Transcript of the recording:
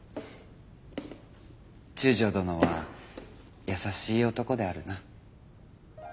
中将殿は優しい男であるな。